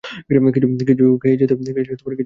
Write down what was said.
কিছু খেয়ে যেতে হবে।